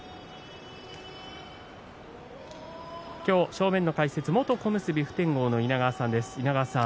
正面の解説、元小結普天王の稲川さんです。